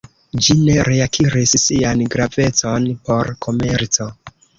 Ĝi ne reakiris sian gravecon por komerco.